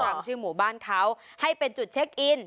ชื่อหมู่บ้านเขาให้เป็นจุดเช็คอิน